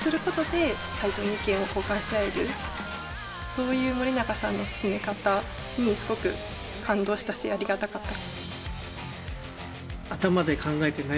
そういう森永さんの進め方にすごく感動したしありがたかった。